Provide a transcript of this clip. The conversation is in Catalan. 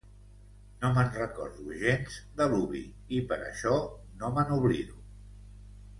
No me'n recordo gens, de l'Uvi, i per això no me n'oblido.